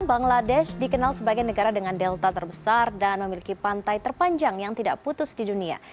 bangladesh dikenal sebagai negara dengan delta terbesar dan memiliki pantai terpanjang yang tidak putus di dunia